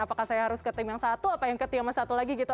apakah saya harus ke tim yang satu atau yang ke tim yang satu lagi gitu